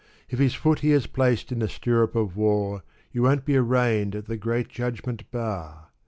If his foot he has placed in the stirrup of war, You won't be arraigned at the Great Judgment Bar.